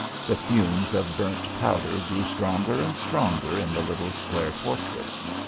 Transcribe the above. The fumes of burnt powder grew stronger and stronger in the little square fortress.